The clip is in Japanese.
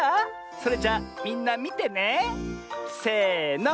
それじゃみんなみてね！せの。